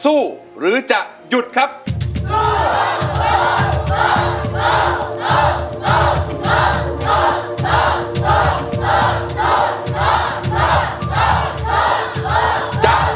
ทั้งในเรื่องของการทำงานเคยทำนานแล้วเกิดปัญหาน้อย